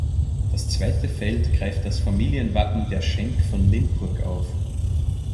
Das zweite Feld greift das Familienwappen der Schenk von Limpurg auf.